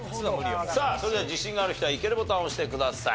さあそれでは自信がある人はイケるボタンを押してください。